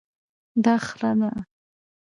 دا خره ده